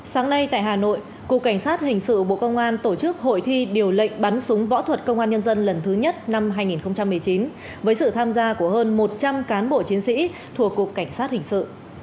sáng nay tại hà nội cục cảnh sát hình sự bộ công an tổ chức hội thi điều lệnh bắn súng võ thuật công an nhân dân lần thứ nhất năm hai nghìn một mươi chín với sự tham gia của hơn một trăm linh cán bộ chiến sĩ thuộc cục cảnh sát hình sự